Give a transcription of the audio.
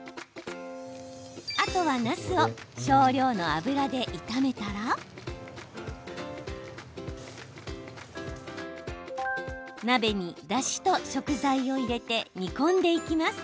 あとは、なすを少量の油で炒めたら鍋に、だしと食材を入れて煮込んでいきます。